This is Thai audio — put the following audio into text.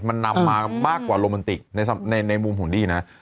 มันนำมามากกว่าโรแมนติกในมุมของดีนะ